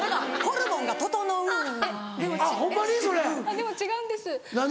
でも違うんです。